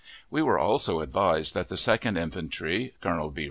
We were also advised that the Second Infantry, Colonel B.